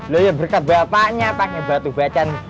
loh ya berkat bapaknya pakai batu bacan